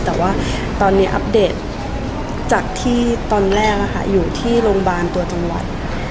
แต่ว่าตอนนี้อัปเดตจากที่ตอนแรกอยู่ที่โรงพยาบาลตัวจังหวัด